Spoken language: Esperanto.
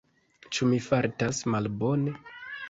Ĉu mi fartas malbone?